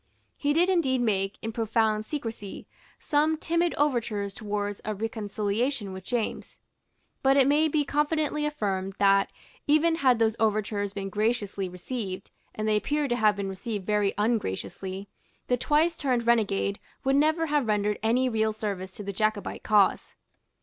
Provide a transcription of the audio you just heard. He did indeed make, in profound secresy, some timid overtures towards a reconciliation with James. But it may be confidently affirmed that, even had those overtures been graciously received, and they appear to have been received very ungraciously, the twice turned renegade would never have rendered any real service to the Jacobite cause.